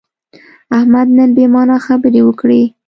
احمد نن بې معنا خبرې وکړې.